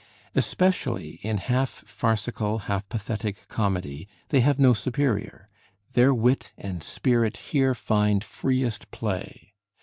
Especially in half farcical, half pathetic comedy they have no superior; their wit and spirit here find freest play.